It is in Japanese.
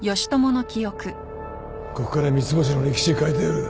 ここから三ツ星の歴史変えてやる